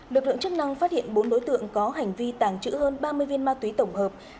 lực lượng chức năng phát hiện bốn đối tượng có hành vi tàng trữ hơn ba mươi viên ma túy tổng hợp